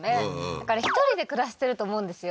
だから１人で暮らしてると思うんですよ